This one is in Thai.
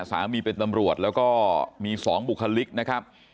สามีเป็นตำรวจแล้วก็มี๒บุคลิกนะครับ